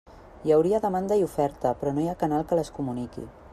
Hi hauria demanda i oferta, però no hi ha canal que les comuniqui.